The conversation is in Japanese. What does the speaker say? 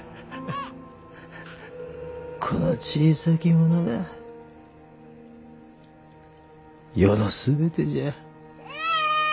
この小さき者が余の全てじゃ。